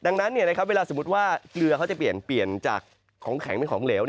ดังนั้นเวลาสมมุติว่าเกลือเขาจะเปลี่ยนจากของแข็งเป็นของเหลว